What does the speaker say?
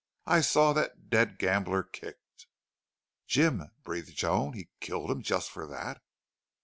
I saw that dead gambler kicked." "Jim!" breathed Joan. "He killed him just for that?"